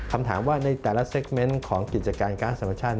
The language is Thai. คำถามว่าในแต่ละเซคเมนต์ของกิจการก๊าซธรรมชาติ